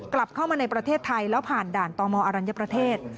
กลับเข้ามาในประเทศไทยแล้วผ่านด่านตมอรัญญประเทศ